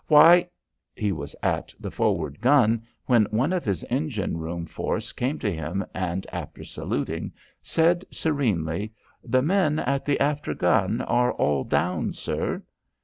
Why He was at the forward gun when one of his engine room force came to him and, after saluting, said serenely: "The men at the after gun are all down, sir."